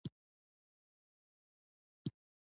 لمفاوي مایع ځانګړو لمفاوي رګونو ته ننوزي.